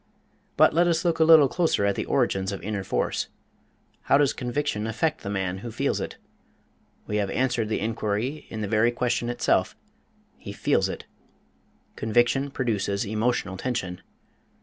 But let us look a little closer at the origins of inner force. How does conviction affect the man who feels it? We have answered the inquiry in the very question itself he feels it: Conviction produces emotional tension.